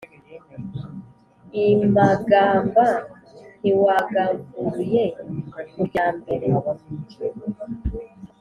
i magamba ntiwagamburuye ku rya mbere.